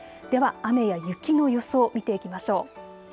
では雨や雪の予想を見ていきましょう。